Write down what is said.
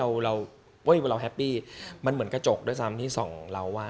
อันนี้เราเว้ยเราแฮปปี้มันเหมือนกระจกด้วยซ้ำที่ส่องเราว่า